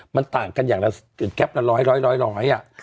มันต่างกันอย่างแก๊ปล์ละร้อยอะ